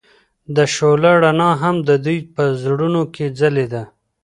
د شعله رڼا هم د دوی په زړونو کې ځلېده.